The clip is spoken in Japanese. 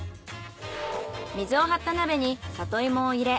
水を張った鍋に里芋を入れ